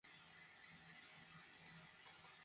আমি হলাম ভেনজেন্স।